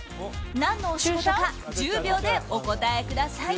何のお仕事か１０秒でお答えください。